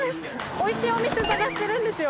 美味しいお店探してるんですよ。